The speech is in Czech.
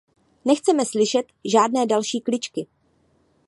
Nechceme slyšet žádné další kličky.